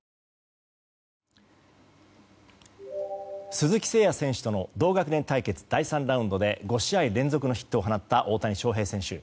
鈴木誠也選手との同学年対決、第３ラウンドで５試合連続のヒットを放った大谷翔平選手。